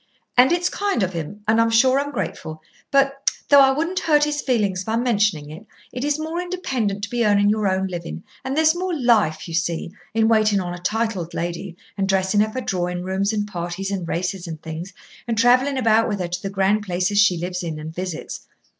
"And it's kind of him, and I'm sure I'm grateful. But though I wouldn't hurt his feelings by mentioning it it is more independent to be earning your own living, and there's more life, you see, in waiting on a titled lady and dressing her for drawing rooms and parties and races and things, and travelling about with her to the grand places she lives in and visits.